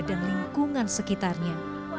dan lingkungan sekitarnya